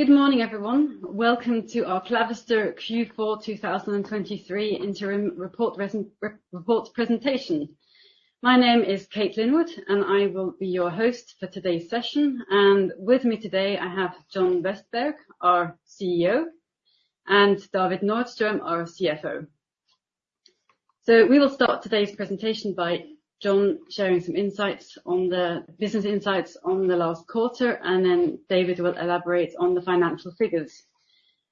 Good morning, everyone. Welcome to our Clavister Q4 2023 Interim Reports Presentation. My name is Kate Linwood, and I will be your host for today's session. With me today, I have John Vestberg, our CEO, and David Nordström, our CFO. We will start today's presentation by John sharing some insights on the business insights on the last quarter, and then David will elaborate on the financial figures.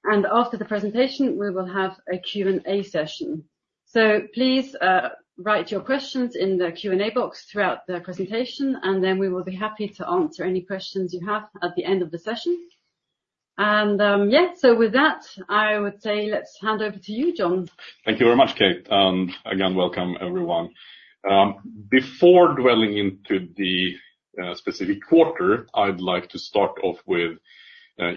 After the presentation, we will have a Q&A session. Please, write your questions in the Q&A box throughout the presentation, and then we will be happy to answer any questions you have at the end of the session. With that, I would say, let's hand over to you, John. Thank you very much, Kate, and again, welcome everyone. Before dwelling into the specific quarter, I'd like to start off with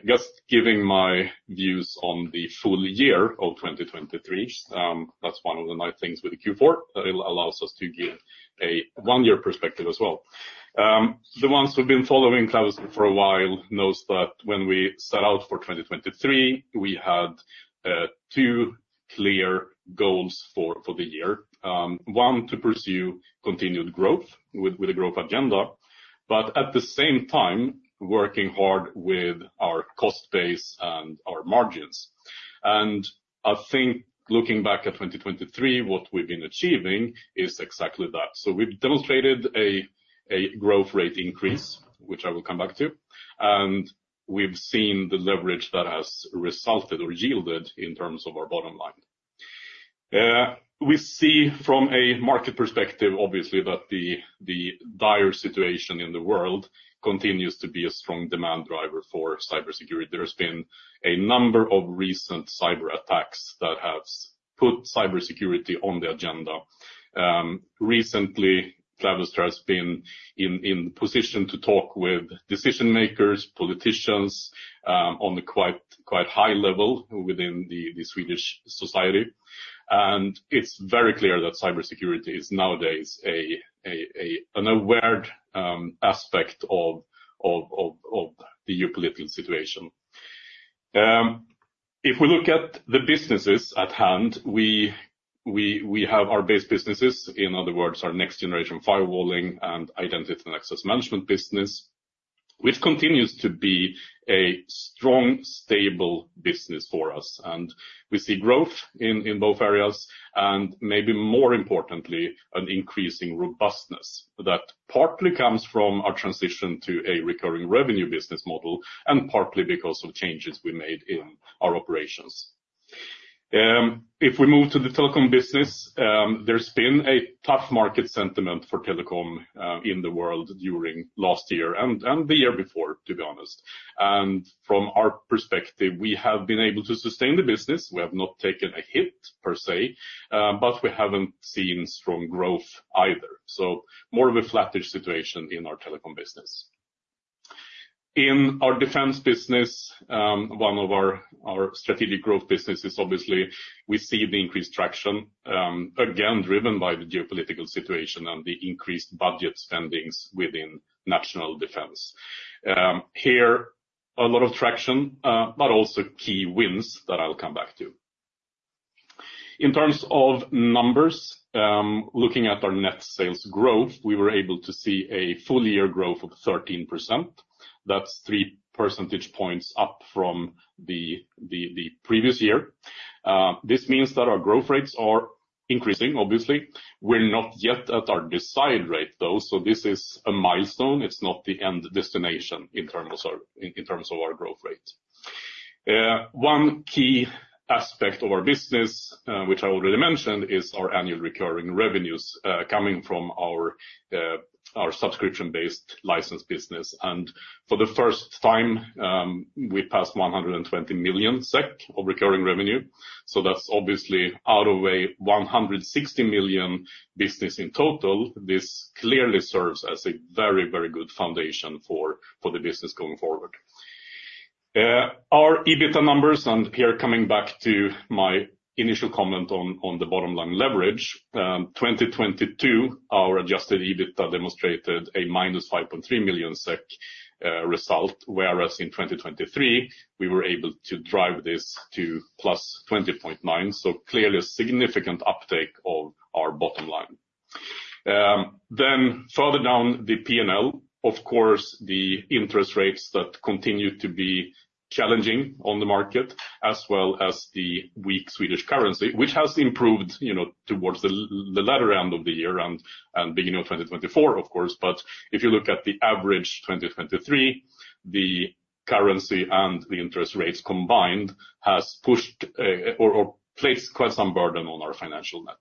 just giving my views on the full year of 2023. That's one of the nice things with the Q4, that it allows us to give a one-year perspective as well. The ones who've been following Clavister for a while knows that when we set out for 2023, we had two clear goals for the year. One, to pursue continued growth with a growth agenda, but at the same time, working hard with our cost base and our margins. And I think looking back at 2023, what we've been achieving is exactly that. So we've demonstrated a growth rate increase, which I will come back to, and we've seen the leverage that has resulted or yielded in terms of our bottom line. We see from a market perspective, obviously, that the dire situation in the world continues to be a strong demand driver for cybersecurity. There's been a number of recent cyberattacks that have put cybersecurity on the agenda. Recently, Clavister has been in position to talk with decision makers, politicians, on a quite high level within the Swedish society, and it's very clear that cybersecurity is nowadays an aware aspect of the geopolitical situation. If we look at the businesses at hand, we have our base businesses, in other words, our next-generation firewalling and identity and access management business, which continues to be a strong, stable business for us. And we see growth in both areas, and maybe more importantly, an increasing robustness that partly comes from our transition to a recurring revenue business model and partly because of changes we made in our operations. If we move to the telecom business, there's been a tough market sentiment for telecom in the world during last year and the year before, to be honest. And from our perspective, we have been able to sustain the business. We have not taken a hit per se, but we haven't seen strong growth either. So more of a flattish situation in our telecom business. In our defense business, one of our strategic growth businesses, obviously, we see the increased traction, again, driven by the geopolitical situation and the increased budget spending within national defense. Here, a lot of traction, but also key wins that I'll come back to. In terms of numbers, looking at our net sales growth, we were able to see a full year growth of 13%. That's three percentage points up from the previous year. This means that our growth rates are increasing, obviously. We're not yet at our desired rate, though, so this is a milestone. It's not the end destination in terms of our growth rate. One key aspect of our business, which I already mentioned, is our annual recurring revenues, coming from our subscription-based license business. For the first time, we passed 120 million SEK of recurring revenue, so that's obviously out of a 160 million business in total. This clearly serves as a very, very good foundation for, for the business going forward. Our EBITDA numbers, and here, coming back to my initial comment on, on the bottom line leverage, 2022, our adjusted EBITDA demonstrated a -5.3 million SEK result, whereas in 2023, we were able to drive this to +20.9 million, so clearly a significant uptake of our bottom line. Then further down the P&L, of course, the interest rates that continue to be challenging on the market, as well as the weak Swedish krona, which has improved, you know, towards the latter end of the year and beginning of 2024, of course. But if you look at the average 2023, the currency and the interest rates combined has pushed, or placed quite some burden on our financial net.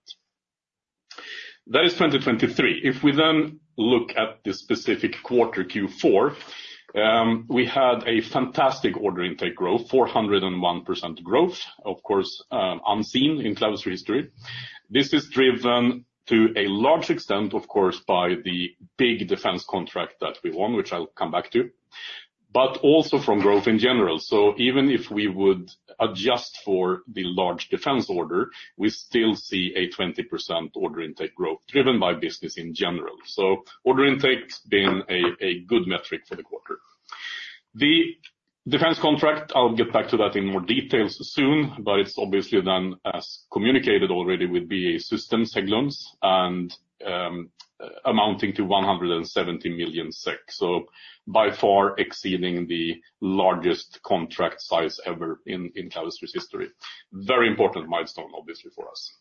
That is 2023. If we then look at the specific quarter, Q4, we had a fantastic order intake growth, 401% growth, of course, unseen in Clavister history. This is driven to a large extent, of course, by the big defense contract that we won, which I'll come back to, but also from growth in general. So even if we would adjust for the large defense order, we still see a 20% order intake growth, driven by business in general. So order intake been a good metric for the quarter. The defense contract, I'll get back to that in more details soon, but it's obviously done as communicated already with BAE Systems Hägglunds and, amounting to 170 million SEK. So by far exceeding the largest contract size ever in Clavister's history. Very important milestone, obviously, for us.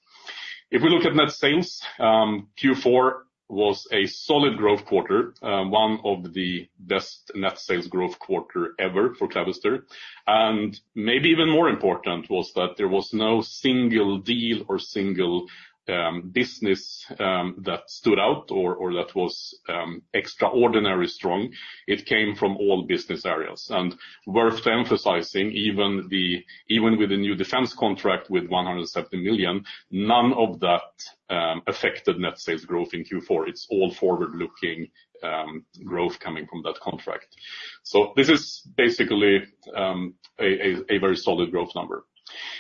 If we look at net sales, Q4 was a solid growth quarter, one of the best net sales growth quarter ever for Clavister. And maybe even more important was that there was no single deal or single business that stood out or that was extraordinarily strong. It came from all business areas. Worth emphasizing, even with the new defense contract with 170 million, none of that affected net sales growth in Q4. It's all forward-looking growth coming from that contract. So this is basically a very solid growth number.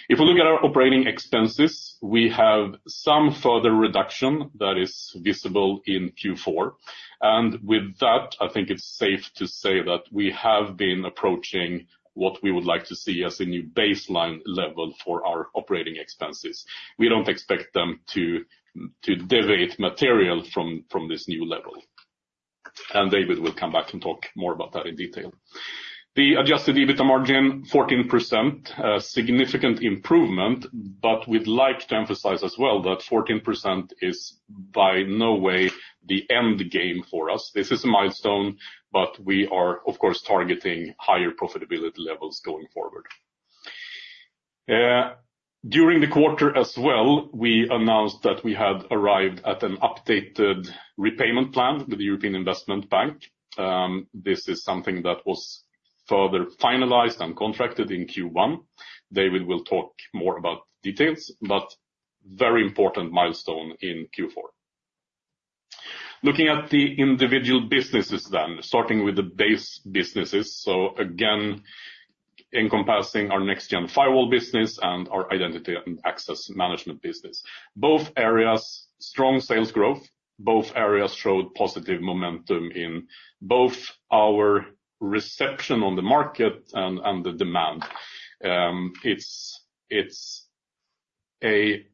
If we look at our operating expenses, we have some further reduction that is visible in Q4. And with that, I think it's safe to say that we have been approaching what we would like to see as a new baseline level for our operating expenses. We don't expect them to deviate materially from this new level. And David will come back and talk more about that in detail. The adjusted EBITDA margin, 14%, a significant improvement, but we'd like to emphasize as well that 14% is by no means the end game for us. This is a milestone, but we are, of course, targeting higher profitability levels going forward. During the quarter as well, we announced that we had arrived at an updated repayment plan with the European Investment Bank. This is something that was further finalized and contracted in Q1. David will talk more about details, but very important milestone in Q4. Looking at the individual businesses then, starting with the base businesses, so again, encompassing our next-gen firewall business and our identity and access management business. Both areas, strong sales growth, both areas showed positive momentum in both our reception on the market and the demand. It's a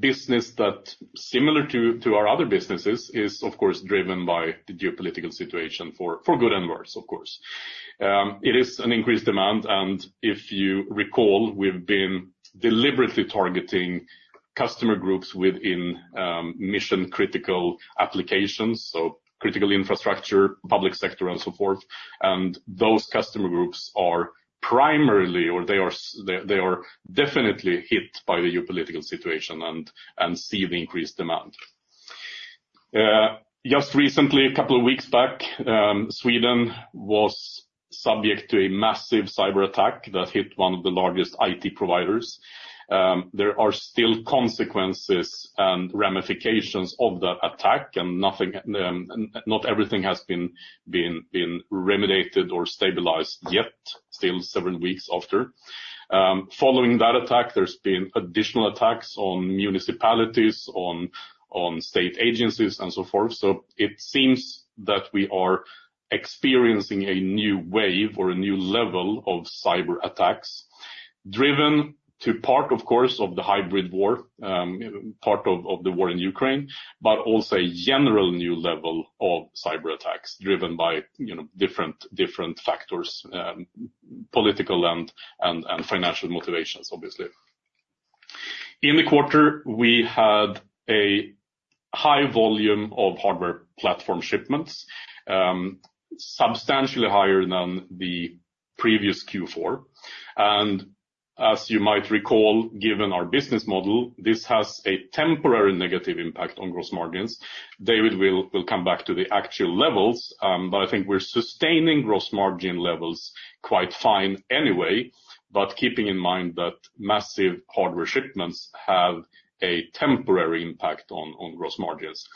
business that, similar to our other businesses, is, of course, driven by the geopolitical situation for good and worse, of course. It is an increased demand, and if you recall, we've been deliberately targeting customer groups within mission-critical applications, so critical infrastructure, public sector, and so forth. Those customer groups are primarily, or they are definitely hit by the geopolitical situation and see the increased demand. Just recently, a couple of weeks back, Sweden was subject to a massive cyberattack that hit one of the largest IT providers. There are still consequences and ramifications of that attack, and not everything has been remediated or stabilized yet, still several weeks after. Following that attack, there's been additional attacks on municipalities, on state agencies, and so forth. So it seems that we are experiencing a new wave or a new level of cyberattacks, driven to part, of course, of the hybrid war, part of the war in Ukraine, but also a general new level of cyberattacks driven by, you know, different factors, political and financial motivations, obviously. In the quarter, we had a high volume of hardware platform shipments, substantially higher than the previous Q4. And as you might recall, given our business model, this has a temporary negative impact on gross margins. David will come back to the actual levels, but I think we're sustaining gross margin levels quite fine anyway, but keeping in mind that massive hardware shipments have a temporary impact on gross margins.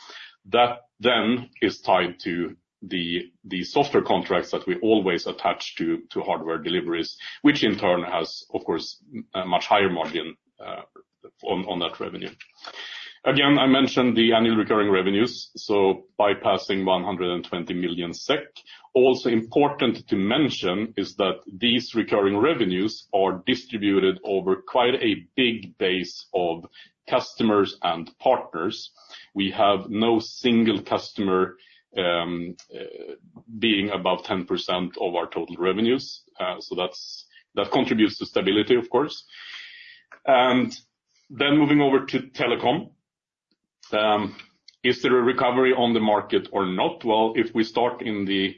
That then is tied to the software contracts that we always attach to hardware deliveries, which in turn has, of course, a much higher margin on that revenue. Again, I mentioned the annual recurring revenues, so bypassing 120 million SEK. Also important to mention is that these recurring revenues are distributed over quite a big base of customers and partners. We have no single customer being above 10% of our total revenues. So that contributes to stability, of course. And then moving over to telecom, is there a recovery on the market or not? Well, if we start in the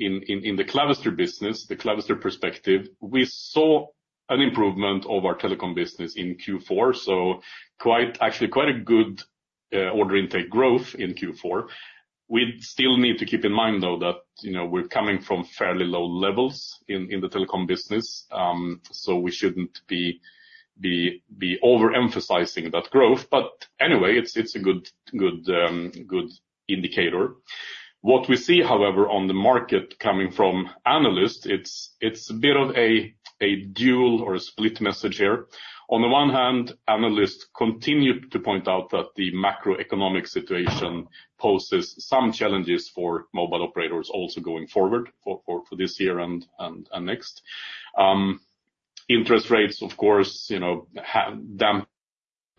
Clavister business, the Clavister perspective, we saw an improvement of our telecom business in Q4, so quite, actually quite a good order intake growth in Q4. We still need to keep in mind, though, that, you know, we're coming from fairly low levels in the telecom business, so we shouldn't be overemphasizing that growth. But anyway, it's a good indicator. What we see, however, on the market coming from analysts, it's a bit of a dual or a split message here. On the one hand, analysts continue to point out that the macroeconomic situation poses some challenges for mobile operators also going forward for this year and next. Interest rates, of course, you know, have dampened the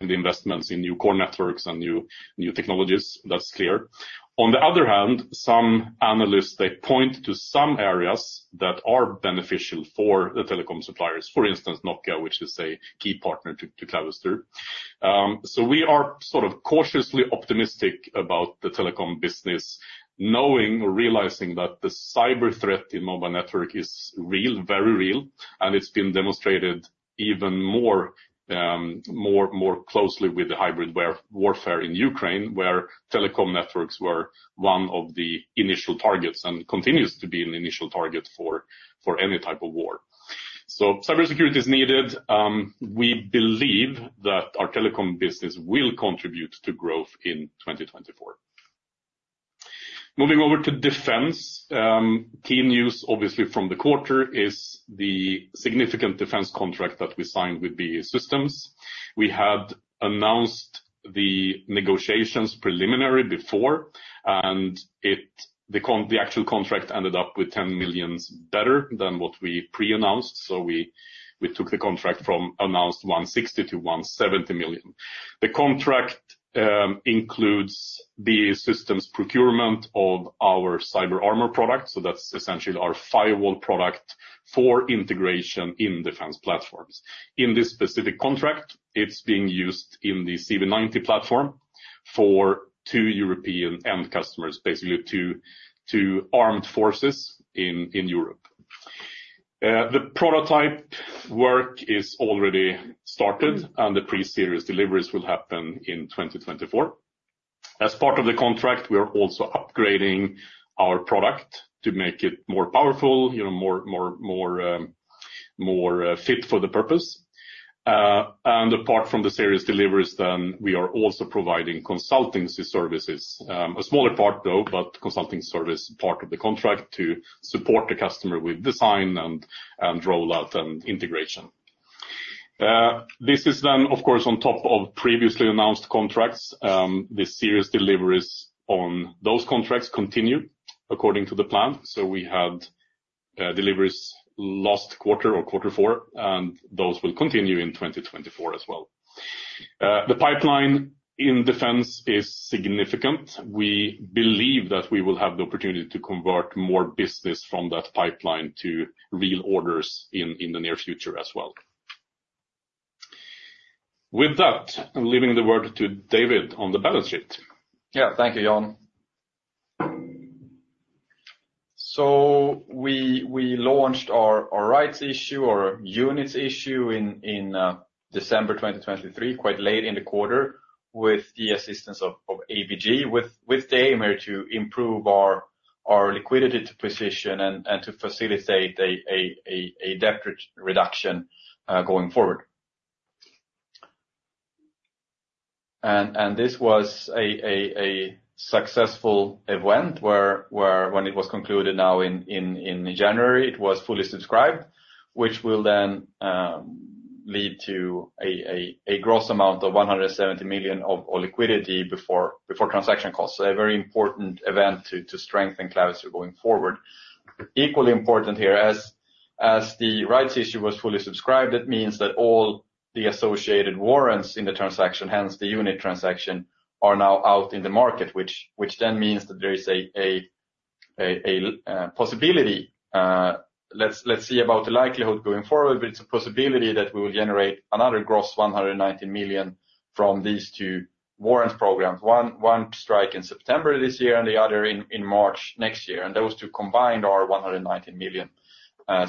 investments in new core networks and new technologies. That's clear. On the other hand, some analysts, they point to some areas that are beneficial for the telecom suppliers, for instance, Nokia, which is a key partner to Clavister. So we are sort of cautiously optimistic about the telecom business, knowing or realizing that the cyber threat in mobile network is real, very real, and it's been demonstrated even more closely with the hybrid warfare in Ukraine, where telecom networks were one of the initial targets and continues to be an initial target for any type of war. So cybersecurity is needed. We believe that our telecom business will contribute to growth in 2024. Moving over to defense, key news, obviously, from the quarter is the significant defense contract that we signed with BAE Systems. We had announced the negotiations preliminary before, and the actual contract ended up with 10 million better than what we pre-announced, so we took the contract from announced 160 million to 170 million. The contract includes BAE Systems' procurement of our Cyber Armour product, so that's essentially our firewall product for integration in defense platforms. In this specific contract, it's being used in the CV90 platform for two European end customers, basically two armed forces in Europe. The prototype work is already started, and the pre-series deliveries will happen in 2024. As part of the contract, we are also upgrading our product to make it more powerful, you know, more fit for the purpose. And apart from the series deliveries, then we are also providing consultancy services, a smaller part, though, but consulting service part of the contract to support the customer with design and rollout and integration. This is then, of course, on top of previously announced contracts. The series deliveries on those contracts continue according to the plan, so we had deliveries last quarter or quarter four, and those will continue in 2024 as well. The pipeline in defense is significant. We believe that we will have the opportunity to convert more business from that pipeline to real orders in the near future as well. With that, I'm leaving the word to David on the balance sheet. Yeah. Thank you, John. So we launched our rights issue, our units issue in December 2023, quite late in the quarter, with the assistance of ABG, with the aim here to improve our liquidity position and to facilitate a debt reduction going forward. And this was a successful event where, when it was concluded now in January, it was fully subscribed, which will then lead to a gross amount of 170 million of liquidity before transaction costs, so a very important event to strengthen Clavister going forward. Equally important here, as the rights issue was fully subscribed, it means that all the associated warrants in the transaction, hence the unit transaction, are now out in the market, which then means that there is a possibility. Let's see about the likelihood going forward, but it's a possibility that we will generate another gross 190 million from these two warrant programs, one strike in September this year and the other in March next year, and those two combined are 190 million.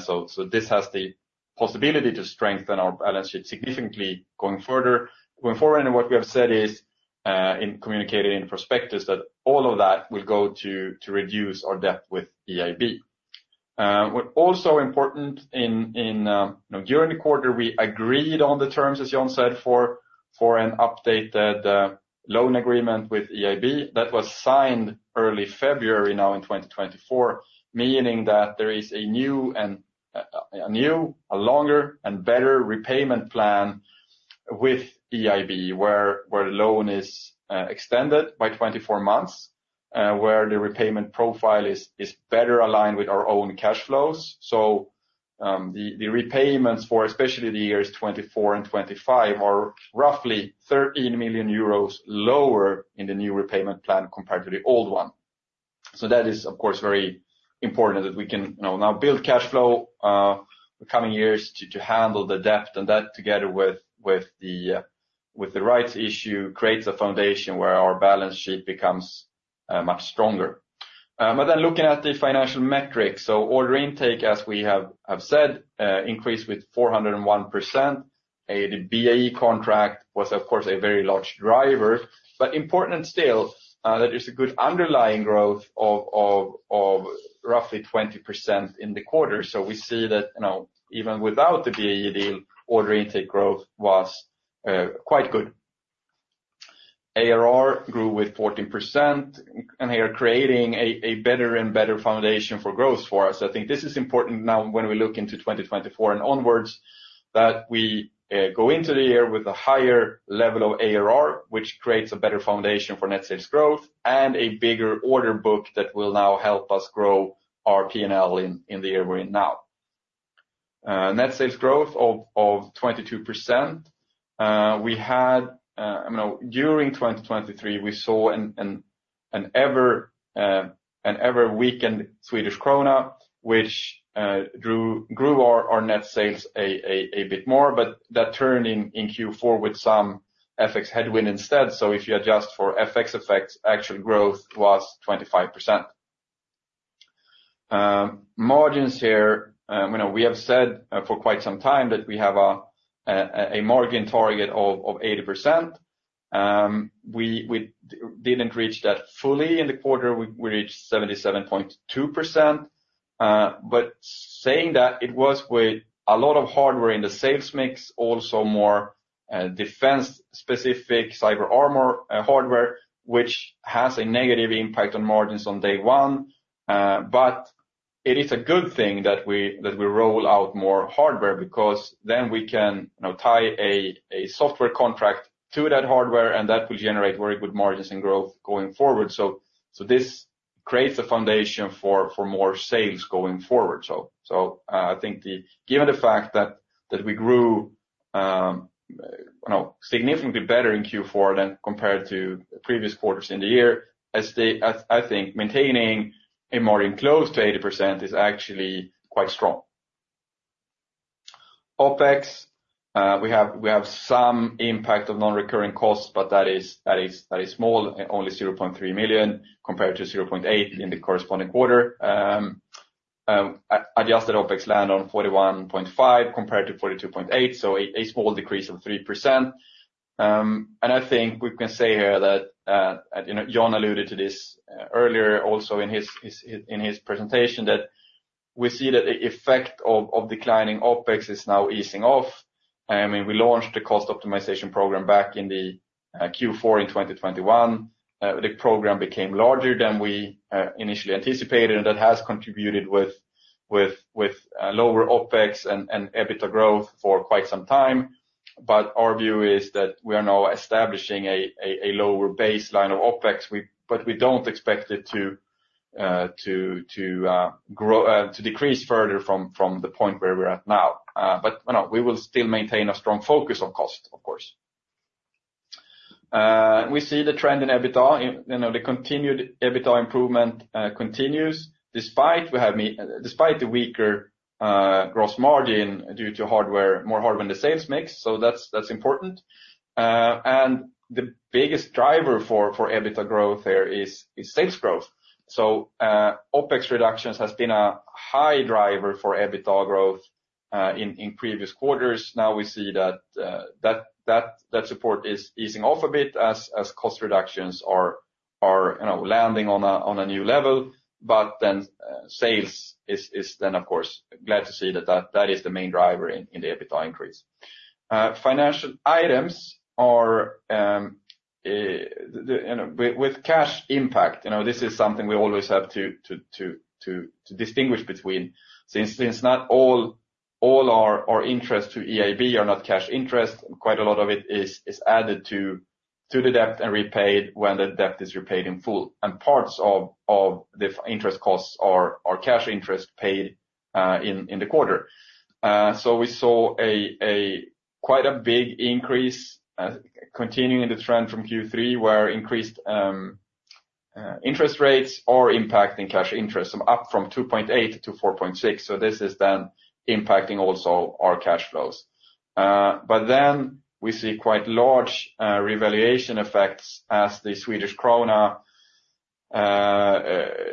So this has the possibility to strengthen our balance sheet significantly going forward, and what we have said is, in communicating in prospectus, that all of that will go to reduce our debt with EIB. What also important, you know, during the quarter, we agreed on the terms, as Jan said, for an updated loan agreement with EIB. That was signed early February, now in 2024, meaning that there is a new and a longer and better repayment plan with EIB, where the loan is extended by 24 months, where the repayment profile is better aligned with our own cash flows. So, the repayments for especially the years 2024 and 2025 are roughly 13 million euros lower in the new repayment plan compared to the old one. So that is, of course, very important that we can, you know, now build cash flow, the coming years to handle the debt, and that together with the rights issue, creates a foundation where our balance sheet becomes much stronger. But then looking at the financial metrics, so order intake, as we have said, increased with 401%. The BAE contract was, of course, a very large driver, but important still, that is a good underlying growth of roughly 20% in the quarter. So we see that, you know, even without the BAE deal, order intake growth was quite good. ARR grew with 14%, and they are creating a better and better foundation for growth for us. I think this is important now when we look into 2024 and onwards, that we go into the year with a higher level of ARR, which creates a better foundation for net sales growth and a bigger order book that will now help us grow our PNL in the year we're in now. Net sales growth of 22%. We had, you know, during 2023, we saw an ever-weakened Swedish krona, which grew our net sales a bit more, but that turned in Q4 with some FX headwind instead. So if you adjust for FX effects, actual growth was 25%. Margins here, you know, we have said for quite some time that we have a margin target of 80%. We didn't reach that fully in the quarter. We reached 77.2%. But saying that, it was with a lot of hardware in the sales mix, also more defense-specific Cyber Armour hardware, which has a negative impact on margins on day one. But it is a good thing that we roll out more hardware, because then we can, you know, tie a software contract to that hardware, and that will generate very good margins and growth going forward. So this creates a foundation for more sales going forward. So, I think, given the fact that we grew, you know, significantly better in Q4 than compared to previous quarters in the year, I think maintaining a margin close to 80% is actually quite strong. OpEx, we have some impact of non-recurring costs, but that is small, only 0.3 million, compared to 0.8 million in the corresponding quarter. Adjusted OpEx landed on 41.5 million, compared to 42.8 million, so a small decrease of 3%. And I think we can say here that, you know, John alluded to this earlier also in his presentation, that we see that the effect of declining OpEx is now easing off. I mean, we launched the cost optimization program back in the Q4 in 2021. The program became larger than we initially anticipated, and that has contributed with lower OpEx and EBITDA growth for quite some time. But our view is that we are now establishing a lower baseline of OpEx. But we don't expect it to decrease further from the point where we're at now. But, you know, we will still maintain a strong focus on cost, of course. We see the trend in EBITDA, you know, the continued EBITDA improvement continues, despite the weaker gross margin due to hardware, more hardware in the sales mix, so that's important. And the biggest driver for EBITDA growth here is sales growth. So, OpEx reductions has been a high driver for EBITDA growth in previous quarters. Now, we see that support is easing off a bit as cost reductions are, you know, landing on a new level. But then, sales is then, of course, glad to see that is the main driver in the EBITDA increase. Financial items are the, you know, with cash impact, you know, this is something we always have to distinguish between, since it's not all our interest to EIB are not cash interest. Quite a lot of it is added to the debt and repaid when the debt is repaid in full, and parts of the interest costs are cash interest paid in the quarter. So we saw quite a big increase continuing the trend from Q3, where increased interest rates are impacting cash interest up from 2.8-4.6. So this is then impacting also our cash flows. But then we see quite large revaluation effects as the Swedish krona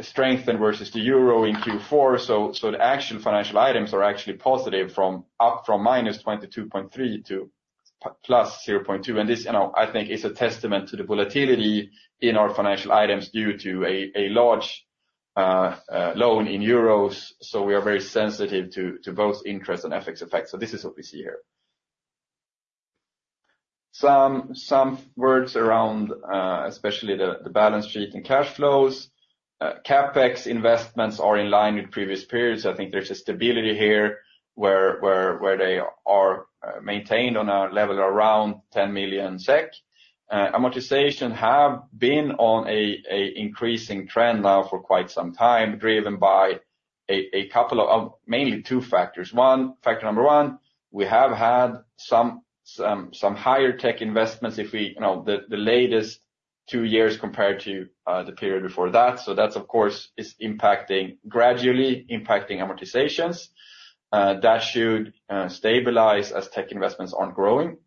strengthened versus the euro in Q4. So the actual financial items are actually positive, up from -22.3 to +0.2, and this, you know, I think is a testament to the volatility in our financial items due to a large loan in euros. So we are very sensitive to both interest and FX effects. So this is what we see here. Some words around especially the balance sheet and cash flows. CapEx investments are in line with previous periods. I think there's a stability here where they are maintained on a level around 10 million SEK. Amortization have been on a increasing trend now for quite some time, driven by a couple of... Mainly two factors. One, factor number one, we have had some higher tech investments, you know, the latest two years compared to the period before that. So that, of course, is impacting, gradually impacting amortizations. That should stabilize as tech investments aren't growing.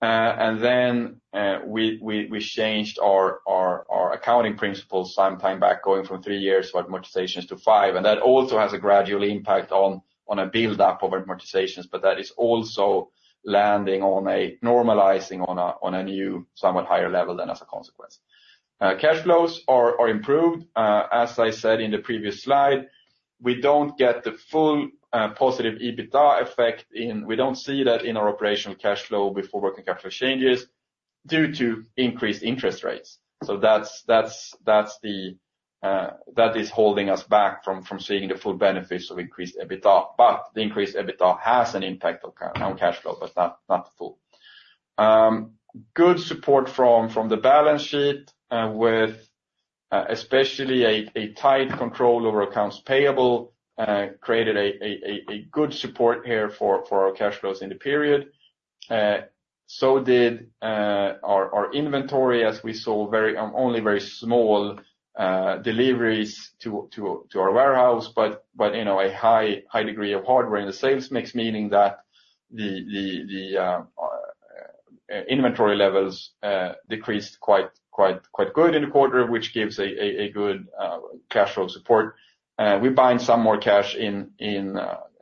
And then, we changed our accounting principles sometime back, going from three years of amortizations to five, and that also has a gradual impact on a build-up of amortizations, but that is also landing on a. Normalizing on a new, somewhat higher level than as a consequence. Cash flows are improved. As I said in the previous slide, we don't get the full positive EBITDA effect. We don't see that in our operational cash flow before working capital changes due to increased interest rates. So that's the... That is holding us back from seeing the full benefits of increased EBITDA. But the increased EBITDA has an impact on cash flow, but not full. Good support from the balance sheet, with especially a good support here for our cash flows in the period. So our inventory, as we saw only very small deliveries to our warehouse, but you know, a high degree of hardware in the sales mix, meaning that the inventory levels decreased quite good in the quarter, which gives a good cash flow support. We bind some more cash in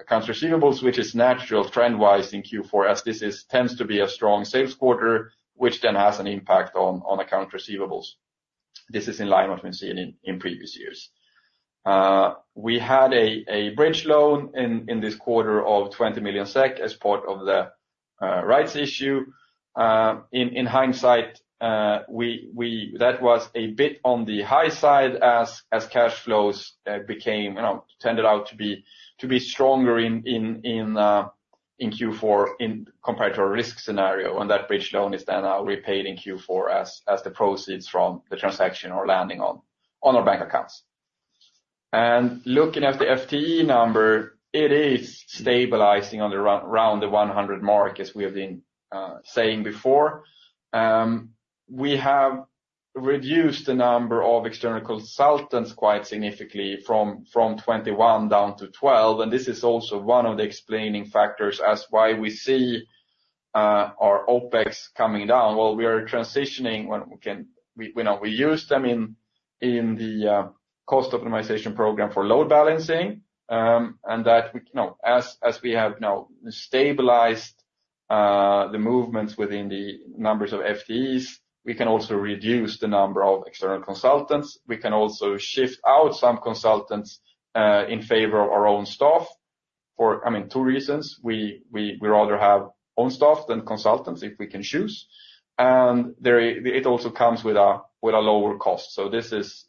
accounts receivables, which is natural trend-wise in Q4, as this tends to be a strong sales quarter, which then has an impact on account receivables. This is in line with what we've seen in previous years. We had a bridge loan in this quarter of 20 million SEK as part of the rights issue. In hindsight, we. That was a bit on the high side as cash flows became, you know, turned out to be stronger in Q4 compared to our risk scenario. And that bridge loan is then repaid in Q4 as the proceeds from the transaction are landing on our bank accounts. And looking at the FTE number, it is stabilizing around the 100 mark, as we have been saying before. We have reduced the number of external consultants quite significantly from 21 down to 12, and this is also one of the explaining factors as why we see our OpEx coming down. Well, we are transitioning when we can—we, you know, we use them in the cost optimization program for load balancing. And that we. You know, as we have now stabilized the movements within the numbers of FTEs, we can also reduce the number of external consultants. We can also shift out some consultants in favor of our own staff for, I mean, two reasons: we rather have own staff than consultants if we can choose, and it also comes with a lower cost. So this is...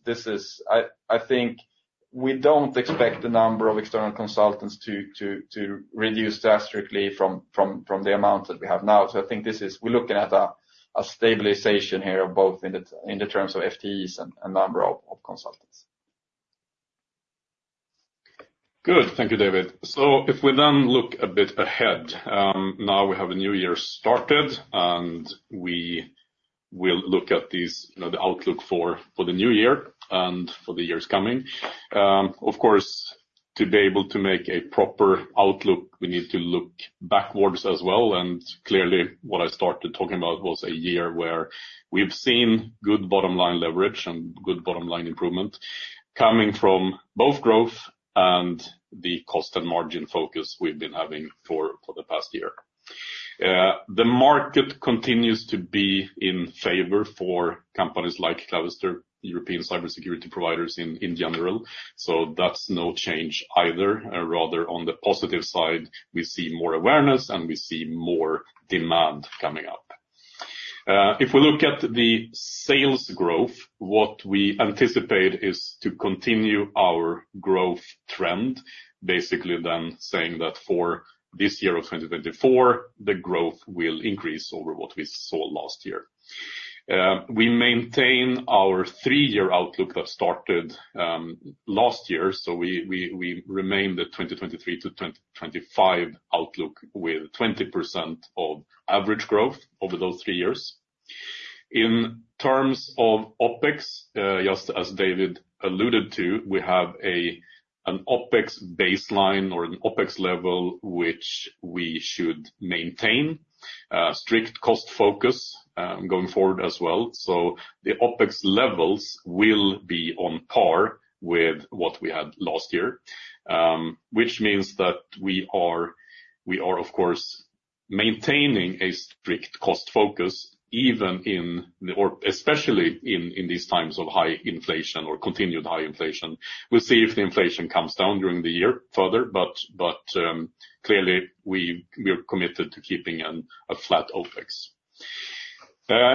I think we don't expect the number of external consultants to reduce drastically from the amount that we have now. So I think this is. We're looking at a stabilization here, both in the terms of FTEs and number of consultants. Good. Thank you, David. So if we then look a bit ahead, now we have a new year started, and we will look at these, you know, the outlook for, for the new year and for the years coming. Of course, to be able to make a proper outlook, we need to look backwards as well, and clearly, what I started talking about was a year where we've seen good bottom line leverage and good bottom line improvement coming from both growth and the cost and margin focus we've been having for, for the past year. The market continues to be in favor for companies like Clavister, European cybersecurity providers in, in general, so that's no change either. Rather, on the positive side, we see more awareness, and we see more demand coming up. If we look at the sales growth, what we anticipate is to continue our growth trend, basically then saying that for this year of 2024, the growth will increase over what we saw last year. We maintain our three-year outlook that started last year, so we remain the 2023 to 2025 outlook, with 20% average growth over those three years. In terms of OpEx, just as David alluded to, we have an OpEx baseline or an OpEx level, which we should maintain strict cost focus going forward as well. So the OpEx levels will be on par with what we had last year, which means that we are, of course, maintaining a strict cost focus, even in the... or especially in these times of high inflation or continued high inflation. We'll see if the inflation comes down during the year further, but clearly, we are committed to keeping a flat OpEx.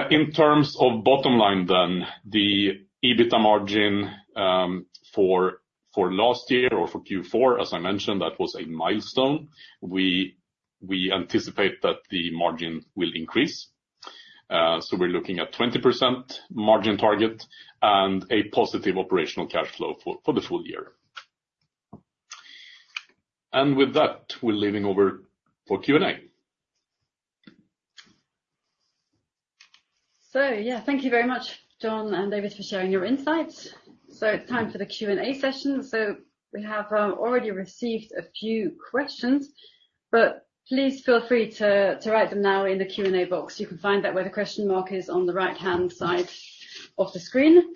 In terms of bottom line then, the EBITDA margin for last year or for Q4, as I mentioned, that was a milestone. We anticipate that the margin will increase. So we're looking at 20% margin target and a positive operational cash flow for the full year. And with that, we're leaving over for Q&A. So yeah, thank you very much, John and David, for sharing your insights. So it's time for the Q&A session. So we have already received a few questions, but please feel free to write them now in the Q&A box. You can find that where the question mark is on the right-hand side of the screen.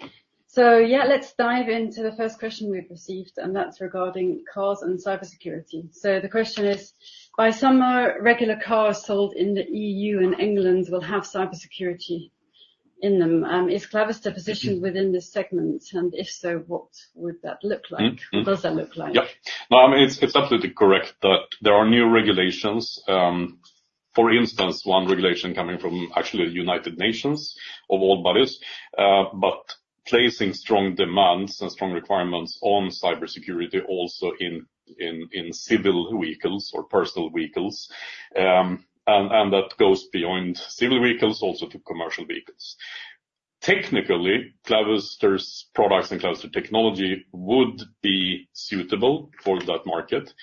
So yeah, let's dive into the first question we've received, and that's regarding cars and cybersecurity. So the question is: By summer, regular cars sold in the EU and England will have cybersecurity in them. Is Clavister positioned within this segment? And if so, what would that look like? Mm-hmm. What does that look like? Yeah. No, I mean, it's, it's absolutely correct that there are new regulations. For instance, one regulation coming from actually the United Nations of all bodies, placing strong demands and strong requirements on cybersecurity, also in civil vehicles or personal vehicles. And that goes beyond civil vehicles also to commercial vehicles. Technically, Clavister's products and Clavister technology would be suitable for that market,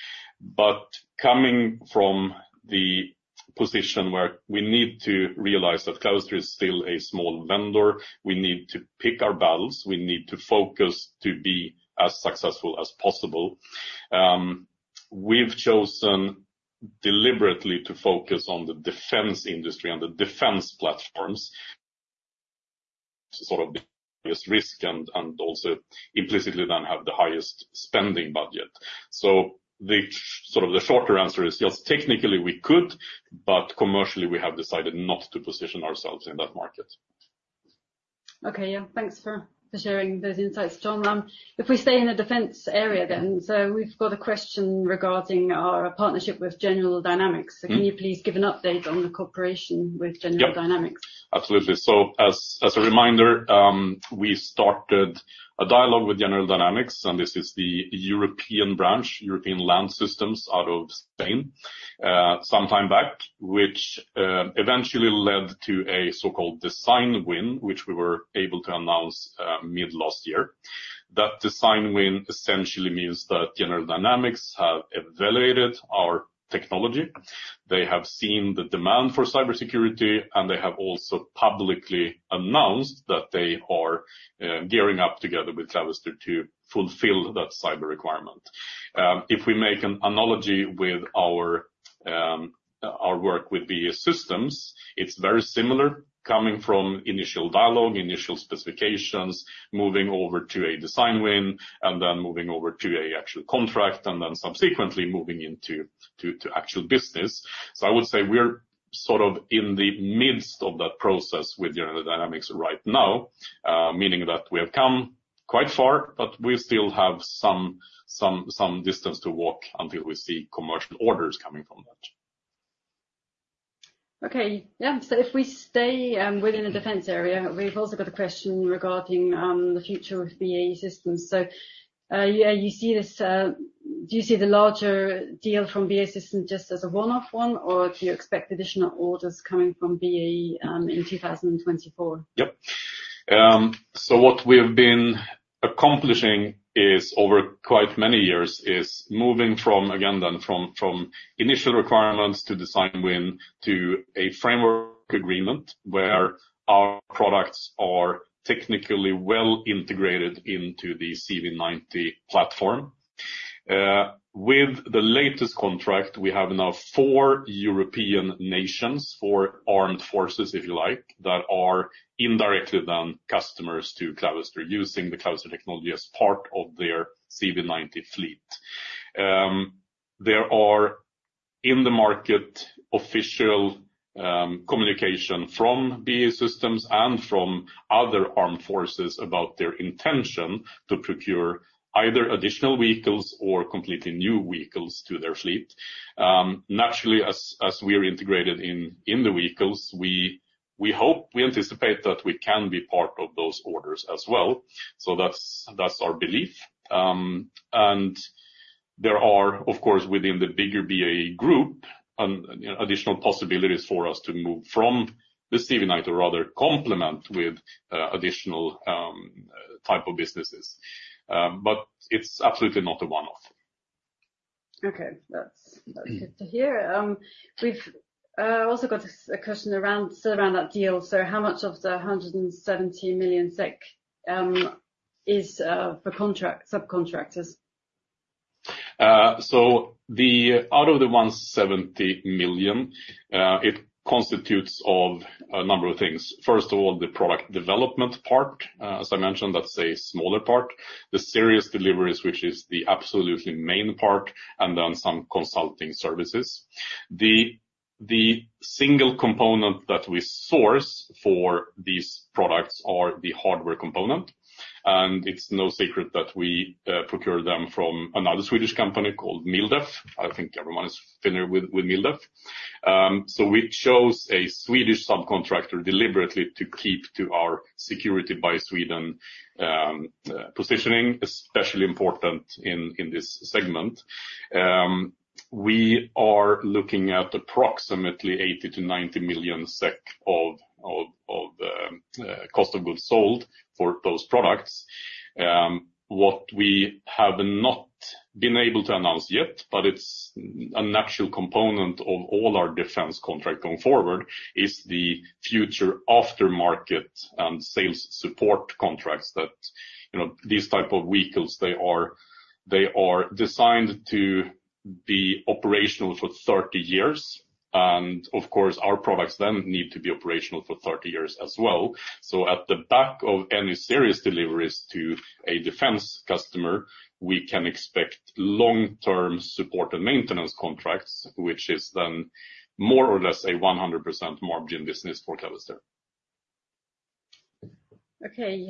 but coming from the position where we need to realize that Clavister is still a small vendor, we need to pick our battles, we need to focus to be as successful as possible. We've chosen deliberately to focus on the defense industry and the defense platforms, to sort of be risk and also implicitly then have the highest spending budget. So the shorter answer is, yes, technically we could, but commercially, we have decided not to position ourselves in that market. Okay, yeah. Thanks for, for sharing those insights, John. If we stay in the defense area then, so we've got a question regarding our partnership with General Dynamics. Mm-hmm. Can you please give an update on the cooperation with General Dynamics? Yep, absolutely. So as a reminder, we started a dialogue with General Dynamics, and this is the European branch, European Land Systems out of Spain, sometime back, which eventually led to a so-called design win, which we were able to announce mid last year. That design win essentially means that General Dynamics have evaluated our technology, they have seen the demand for cybersecurity, and they have also publicly announced that they are gearing up together with Clavister to fulfill that cyber requirement. If we make an analogy with our work with BAE Systems, it's very similar, coming from initial dialogue, initial specifications, moving over to a design win, and then moving over to a actual contract, and then subsequently moving into to actual business. I would say we're sort of in the midst of that process with General Dynamics right now, meaning that we have come quite far, but we still have some distance to walk until we see commercial orders coming from that. Okay, yeah. So if we stay within the defense area, we've also got a question regarding the future with BAE Systems. So, yeah, you see this. Do you see the larger deal from BAE Systems just as a one-off one, or do you expect additional orders coming from BAE in 2024? Yep. So what we have been accomplishing is, over quite many years, is moving from initial requirements to design win, to a framework agreement, where our products are technically well integrated into the CV90 platform. With the latest contract, we have now four European nations, four armed forces, if you like, that are indirectly then customers to Clavister, using the Clavister technology as part of their CV90 fleet. There are, in the market, official communication from BAE Systems and from other armed forces about their intention to procure either additional vehicles or completely new vehicles to their fleet. Naturally, as we are integrated in the vehicles, we hope, we anticipate that we can be part of those orders as well, so that's our belief. There are, of course, within the bigger BAE group, additional possibilities for us to move from the CV90 or rather complement with, additional, type of businesses. It's absolutely not a one-off. Okay. That's, that's good to hear. We've also got a question around, still around that deal. So how much of the 170 million SEK is for contract subcontractors? So, out of the 170 million, it constitutes of a number of things. First of all, the product development part, as I mentioned, that's a smaller part, the serious deliveries, which is the absolutely main part, and then some consulting services. The single component that we source for these products are the hardware component, and it's no secret that we procure them from another Swedish company called MilDef. I think everyone is familiar with MilDef. So we chose a Swedish subcontractor deliberately to keep to our security by Sweden positioning, especially important in this segment. We are looking at approximately 80-90 million SEK of cost of goods sold for those products. What we have not been able to announce yet, but it's a natural component of all our defense contract going forward, is the future aftermarket and sales support contracts that, you know, these type of vehicles, they are designed to be operational for 30 years. And, of course, our products then need to be operational for 30 years as well. So at the back of any serious deliveries to a defense customer, we can expect long-term support and maintenance contracts, which is then more or less a 100% margin business for Clavister. Okay,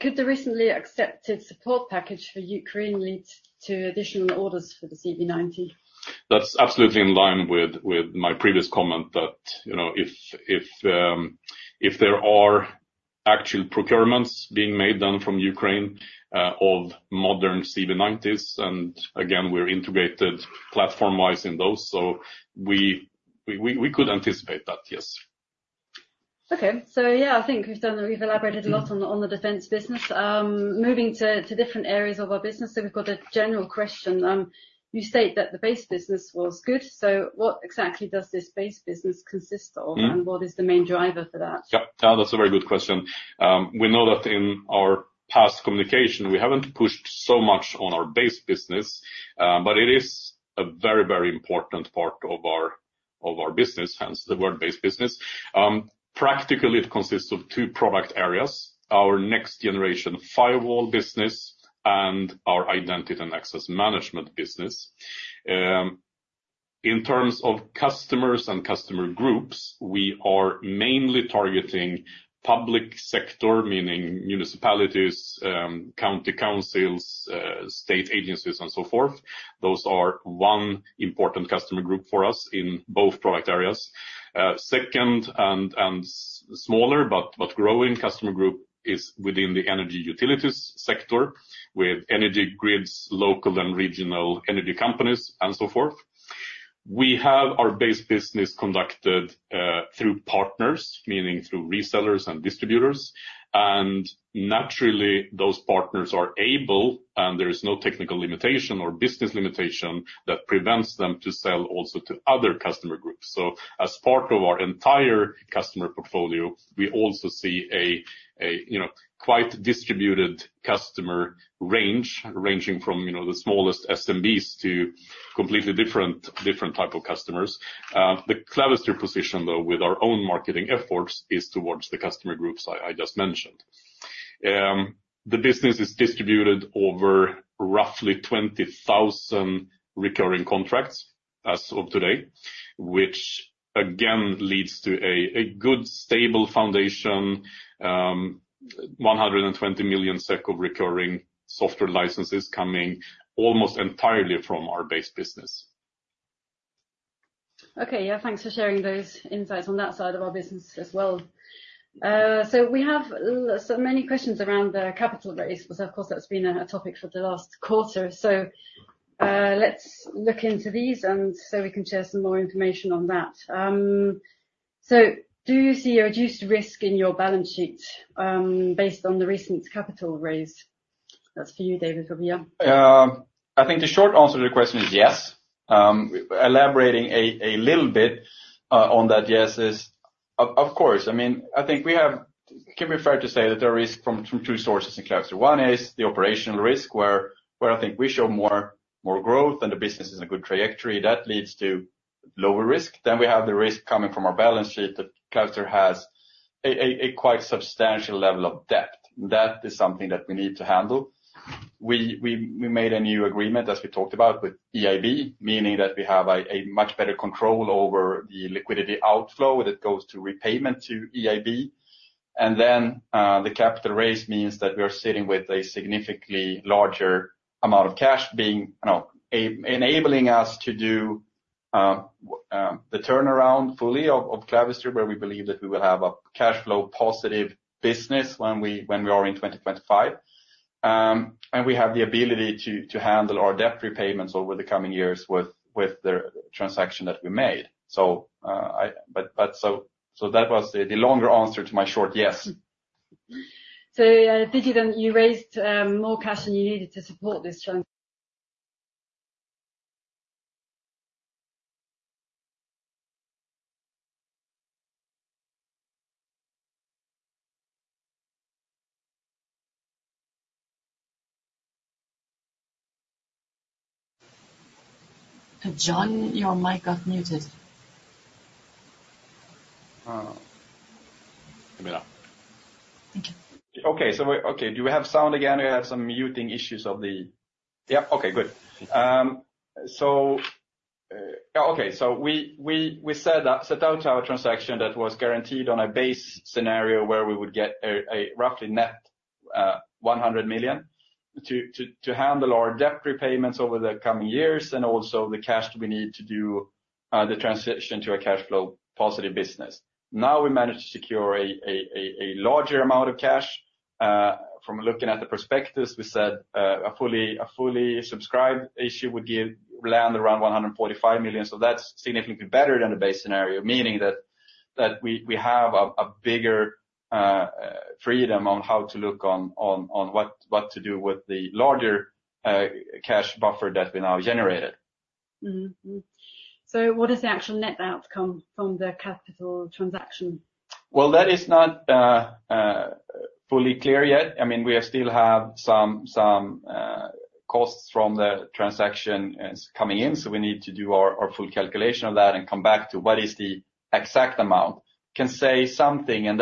could the recently accepted support package for Ukraine lead to additional orders for the CV90? That's absolutely in line with my previous comment that, you know, if there are actual procurements being made then from Ukraine of modern CV90s, and again, we're integrated platform-wise in those, so we could anticipate that, yes. Okay. So, yeah, I think we've done, we've elaborated a lot on the defense business. Moving to different areas of our business, so we've got a general question. You state that the base business was good, so what exactly does this base business consist of? Mm. And what is the main driver for that? Yeah, that's a very good question. We know that in our past communication, we haven't pushed so much on our base business, but it is a very, very important part of our business, hence the word base business. Practically, it consists of two product areas: our Next-Generation Firewall business and our Identity and Access Management business. In terms of customers and customer groups, we are mainly targeting public sector, meaning municipalities, county councils, state agencies, and so forth. Those are one important customer group for us in both product areas. Second and smaller, but growing customer group is within the energy utilities sector, with energy grids, local and regional energy companies, and so forth. We have our base business conducted through partners, meaning through resellers and distributors, and naturally, those partners are able, and there is no technical limitation or business limitation that prevents them to sell also to other customer groups. So as part of our entire customer portfolio, we also see a you know, quite distributed customer range, ranging from, you know, the smallest SMBs to completely different, different type of customers. The Clavister position, though, with our own marketing efforts, is towards the customer groups I just mentioned. The business is distributed over roughly 20,000 recurring contracts as of today, which again leads to a good, stable foundation, 120 million SEK of recurring software licenses coming almost entirely from our base business. Okay, yeah, thanks for sharing those insights on that side of our business as well. So we have so many questions around the capital raise, because of course, that's been a topic for the last quarter. So let's look into these, and so we can share some more information on that. So do you see a reduced risk in your balance sheet, based on the recent capital raise? That's for you, David, over here. I think the short answer to the question is yes. Elaborating a little bit on that yes is, of course, I mean, I think it can be fair to say that there is risk from two sources in Clavister. One is the operational risk, where I think we show more growth and the business is in a good trajectory. That leads to lower risk. Then we have the risk coming from our balance sheet, that Clavister has a quite substantial level of debt. That is something that we need to handle. We made a new agreement, as we talked about, with EIB, meaning that we have a much better control over the liquidity outflow that goes to repayment to EIB. And then, the capital raise means that we're sitting with a significantly larger amount of cash, being, you know, enabling us to do the turnaround fully of Clavister, where we believe that we will have a cash flow positive business when we are in 2025. And we have the ability to handle our debt repayments over the coming years with the transaction that we made. So, but so that was the longer answer to my short yes. So, did you then. You raised more cash than you needed to support this challenge? John, your mic got muted. Uh, Camilla. Thank you. Okay, okay, do we have sound again? We have some muting issues of the. Yeah. Okay, good. So, okay. So we set out our transaction that was guaranteed on a base scenario where we would get a roughly net 100 million to handle our debt repayments over the coming years, and also the cash we need to do the transition to a cash flow positive business. Now, we managed to secure a larger amount of cash. From looking at the perspectives, we said, a fully subscribed issue would land around 145 million. So that's significantly better than the base scenario, meaning that we have a bigger freedom on how to look on what to do with the larger cash buffer that we now generated. Mm-hmm. Mm. So what is the actual net outcome from the capital transaction? Well, that is not fully clear yet. I mean, we still have some costs from the transaction as coming in, so we need to do our full calculation of that and come back to what is the exact amount. Can say something, and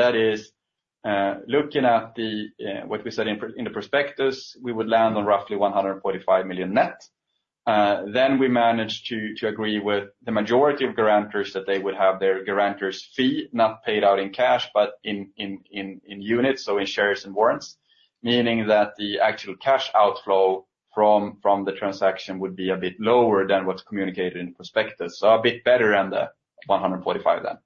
that is, looking at the what we said in the prospectus, we would land on roughly 145 million net. Then we managed to agree with the majority of guarantors that they would have their guarantors' fee, not paid out in cash, but in units, so in shares and warrants, meaning that the actual cash outflow from the transaction would be a bit lower than what's communicated in prospectus. So a bit better than the 145 then.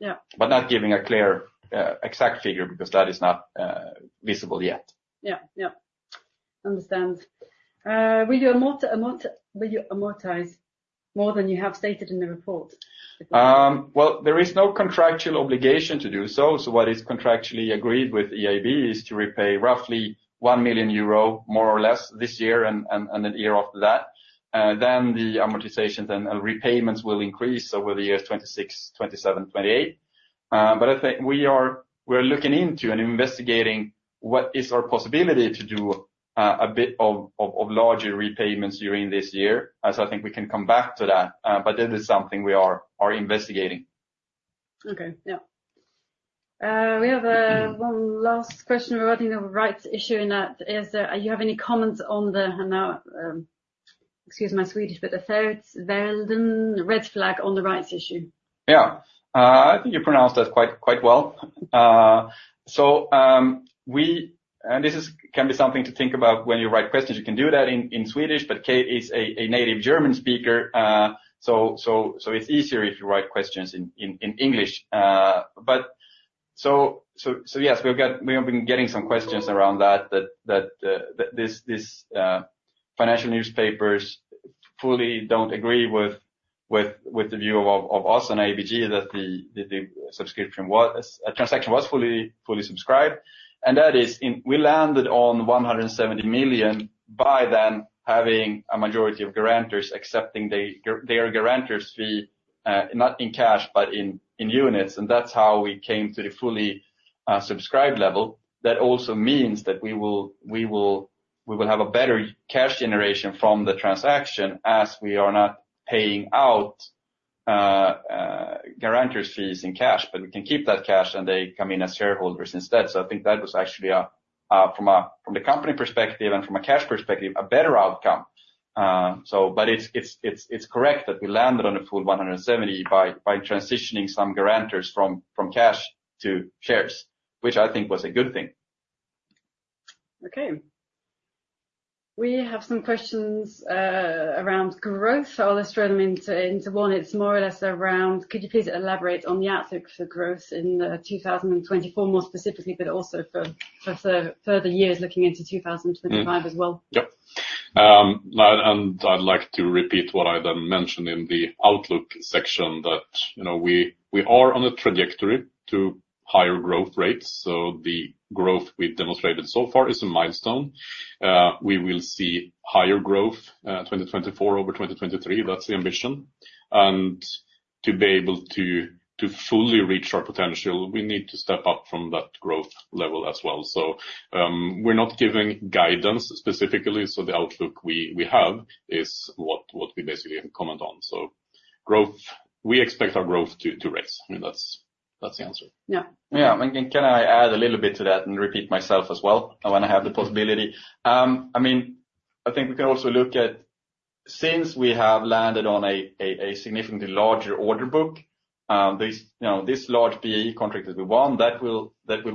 Yeah. But not giving a clear, exact figure because that is not visible yet. Yeah. Yeah. Understand. Will you amortize more than you have stated in the report? Well, there is no contractual obligation to do so. So what is contractually agreed with EIB is to repay roughly 1 million euro, more or less, this year and the year after that. Then the amortizations and repayments will increase over the years 2026, 2027, 2028. But I think we're looking into and investigating what is our possibility to do a bit of larger repayments during this year, as I think we can come back to that. But that is something we are investigating. Okay. Yeah. We have, Mm One last question regarding the rights issue, and that is, you have any comments on the, and now, excuse my Swedish, but the third world red flag on the rights issue? Yeah. I think you pronounced that quite well. This can be something to think about when you write questions. You can do that in Swedish, but Kate is a native German speaker, so it's easier if you write questions in English. But yes, we have been getting some questions around that this financial newspapers fully don't agree with the view of us and ABG, that the subscription transaction was fully subscribed. And that is we landed on 170 million by then having a majority of guarantors accepting their guarantors fee, not in cash, but in units, and that's how we came to the fully subscribed level. That also means that we will have a better cash generation from the transaction as we are not paying out guarantors fees in cash, but we can keep that cash, and they come in as shareholders instead. So I think that was actually from a company perspective and from a cash perspective a better outcome. So, but it's correct that we landed on a full 170 by transitioning some guarantors from cash to shares, which I think was a good thing. Okay. We have some questions around growth. I'll just throw them into one. It's more or less around: could you please elaborate on the outlook for growth in 2024, more specifically, but also for further years, looking into 2025 as well? Yep. And I'd like to repeat what I then mentioned in the outlook section that, you know, we are on a trajectory to higher growth rates, so the growth we've demonstrated so far is a milestone. We will see higher growth, 2024-over-2023. That's the ambition. And to be able to fully reach our potential, we need to step up from that growth level as well. So, we're not giving guidance specifically, so the outlook we have is what we basically comment on. So growth, we expect our growth to rise. I mean, that's the answer. Yeah. Yeah, and can I add a little bit to that and repeat myself as well? I want to have the possibility. I mean, I think we can also look at... Since we have landed on a significantly larger order book, you know, this large BAE contract that we won, that will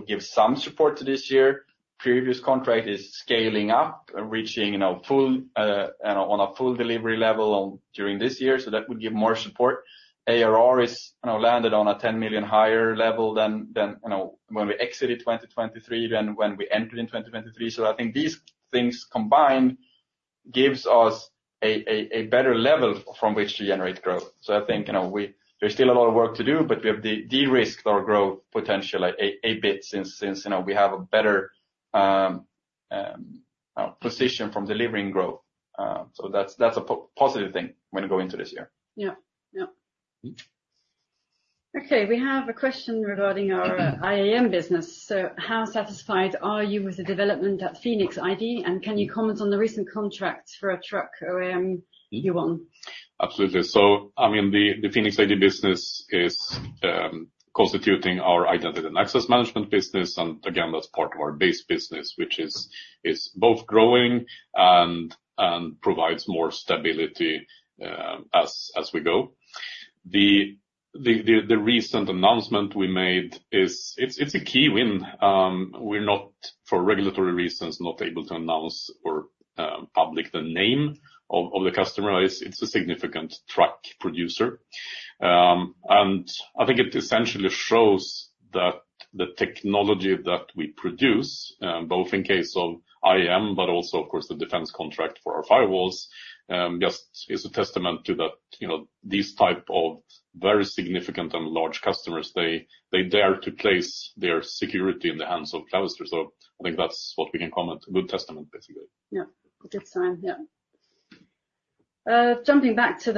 give some support to this year. Previous contract is scaling up and reaching, you know, full, you know, on a full delivery level on, during this year, so that would give more support. ARR is, you know, landed on a 10 million higher level than, you know, when we exited 2023 than when we entered in 2023. So I think these things combined gives us a better level from which to generate growth. So I think, you know, there's still a lot of work to do, but we have de-risked our growth potential, like, a bit since, you know, we have a better position from delivering growth. So that's a positive thing when we go into this year. Yeah. Yeah. Mm. Okay, we have a question regarding our IAM business. So how satisfied are you with the development at PhenixID, and can you comment on the recent contracts for a truck OEM you won? Absolutely. So, I mean, the PhenixID business is constituting our identity and access management business. And again, that's part of our base business, which is both growing and provides more stability as we go. The recent announcement we made is a key win. We're not, for regulatory reasons, able to announce or publicize the name of the customer. It's a significant truck producer. And I think it essentially shows that the technology that we produce, both in case of IAM, but also, of course, the defense contract for our firewalls, just is a testament to that, you know, these type of very significant and large customers, they dare to place their security in the hands of Clavister. So I think that's what we can comment. A good testament, basically. Yeah. A good sign, yeah. Jumping back, I've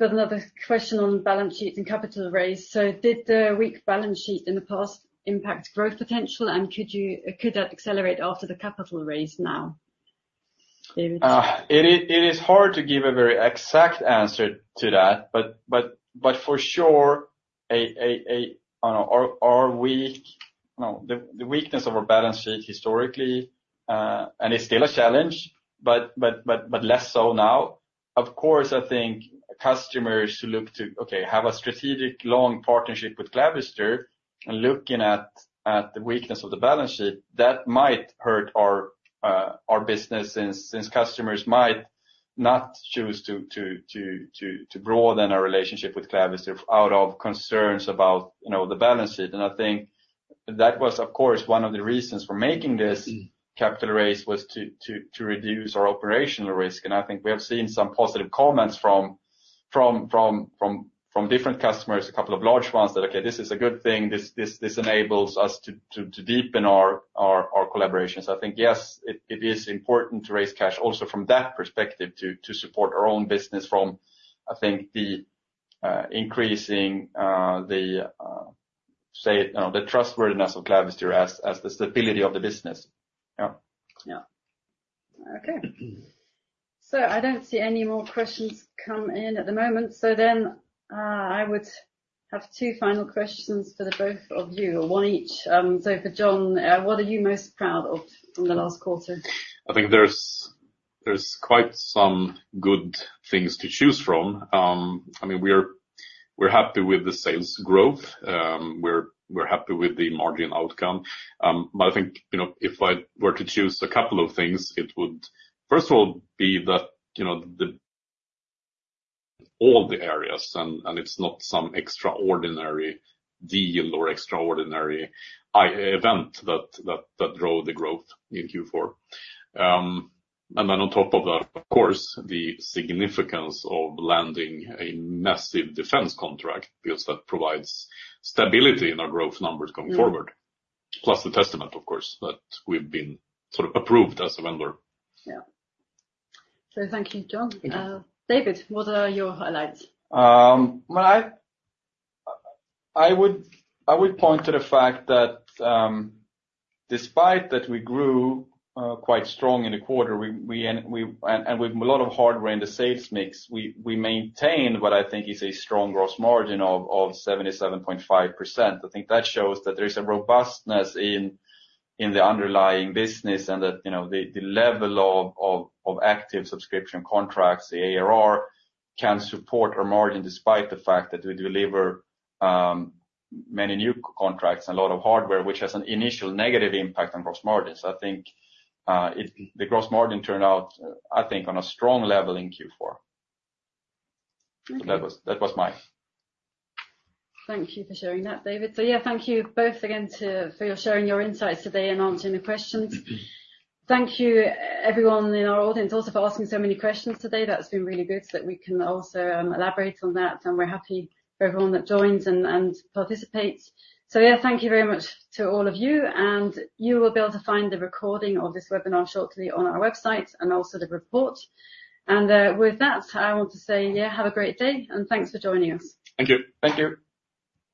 got another question on balance sheet and capital raise. So did the weak balance sheet in the past impact growth potential, and could that accelerate after the capital raise now, David? It is hard to give a very exact answer to that, but for sure, the weakness of our balance sheet historically, and it's still a challenge, but less so now. Of course, I think customers who look to have a strategic long partnership with Clavister and looking at the weakness of the balance sheet, that might hurt our business, since customers might not choose to broaden our relationship with Clavister out of concerns about, you know, the balance sheet. And I think that was, of course, one of the reasons for making this capital raise was to reduce our operational risk. And I think we have seen some positive comments from different customers, a couple of large ones, that, "Okay, this is a good thing. This enables us to deepen our collaboration." So I think, yes, it is important to raise cash also from that perspective, to support our own business from, I think, the increasing, say, you know, the trustworthiness of Clavister as the stability of the business. Yeah. Yeah. Okay. So I don't see any more questions come in at the moment, so then, I would have two final questions for the both of you, or one each. So for John, what are you most proud of in the last quarter? I think there's quite some good things to choose from. I mean, we're happy with the sales growth. We're happy with the margin outcome. But I think, you know, if I were to choose a couple of things, it would first of all be that, you know, the all the areas, and it's not some extraordinary deal or extraordinary event that drove the growth in Q4. Then on top of that, of course, the significance of landing a massive defense contract, because that provides stability in our growth numbers going forward. Mm. Plus the testament, of course, that we've been sort of approved as a vendor. Yeah. So thank you, John. Thank you. David, what are your highlights? Well, I would point to the fact that, despite that we grew quite strong in the quarter, and with a lot of hardware in the sales mix, we maintained what I think is a strong gross margin of 77.5%. I think that shows that there is a robustness in the underlying business and that, you know, the level of active subscription contracts, the ARR, can support our margin, despite the fact that we deliver many new contracts and a lot of hardware, which has an initial negative impact on gross margins. I think the gross margin turned out, I think, on a strong level in Q4. Mm-hmm. So that was mine. Thank you for sharing that, David. So yeah, thank you both again for your sharing your insights today and answering the questions. Thank you, everyone in our audience, also for asking so many questions today. That's been really good, so that we can also elaborate on that, and we're happy for everyone that joins and participates. So yeah, thank you very much to all of you, and you will be able to find the recording of this webinar shortly on our website, and also the report. With that, I want to say, yeah, have a great day, and thanks for joining us. Thank you. Thank you!